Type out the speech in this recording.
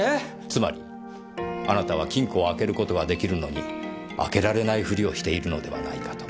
つまりあなたは金庫を開けることが出来るのに開けられないフリをしているのではないかと。